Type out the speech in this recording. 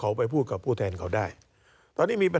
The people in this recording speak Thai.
การเลือกตั้งครั้งนี้แน่